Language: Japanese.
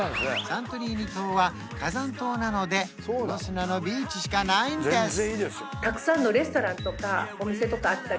サントリーニ島は火山島なので黒砂のビーチしかないんです